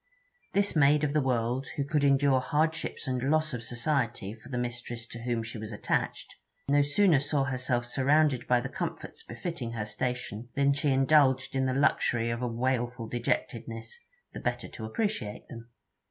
This maid of the world, who could endure hardships and loss of society for the mistress to whom she was attached, no sooner saw herself surrounded by the comforts befitting her station, than she indulged in the luxury of a wailful dejectedness, the better to appreciate them.